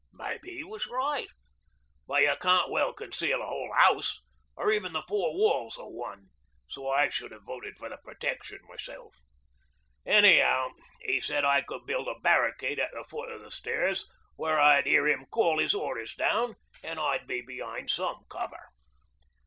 Maybe 'e was right, but you can't well conceal a whole house or even the four walls o' one, so I should 'ave voted for the protection myself. Anyhow, 'e said I could build a barricade at the foot o' the stairs, where I'd hear him call 'is orders down, an' I'd be behind some cover.